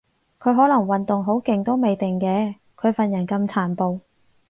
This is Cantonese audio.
佢可能運動好勁都未定嘅，佢份人咁殘暴